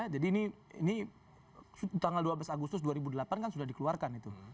jadi ini tanggal dua belas agustus dua ribu delapan kan sudah dikeluarkan itu